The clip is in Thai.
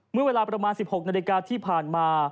เมื่อเวลาประมาณ๑๖นาฬิกาที่ผ่านมา